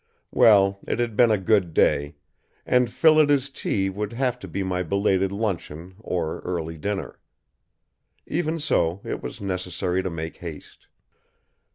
Well, it had been a good day; and Phillida's tea would have to be my belated luncheon or early dinner. Even so, it was necessary to make haste.